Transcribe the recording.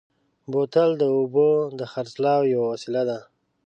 بوتل د اوبو د خرڅلاو یوه وسیله ده.